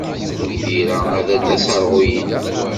Lbira ad d-aṣerɣu-inu.